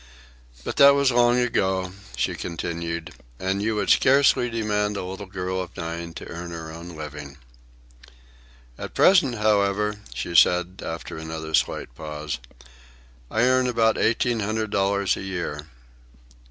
"But that was long ago," she continued. "And you would scarcely demand a little girl of nine to earn her own living." "At present, however," she said, after another slight pause, "I earn about eighteen hundred dollars a year."